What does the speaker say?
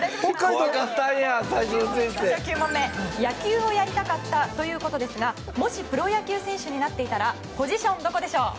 ９問目、野球をやりたかったということですがもしプロ野球選手になっていたらポジションはどこでしょう。